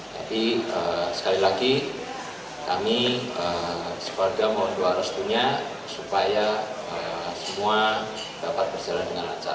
tapi sekali lagi kami sekeluarga mohon doa restunya supaya semua dapat berjalan dengan lancar